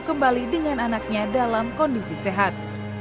kembali dengan anaknya dalam kondisi sehat